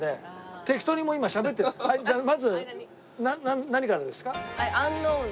はいじゃあまず何からですか？